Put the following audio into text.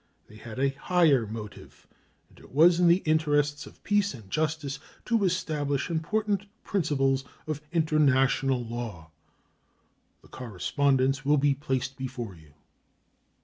They had a higher motive, and it was in the interests of peace and justice to establish important principles of international law. The correspondence will be placed before you.